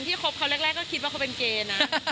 คบเขาแรกก็คิดว่าเขาเป็นเกย์นะ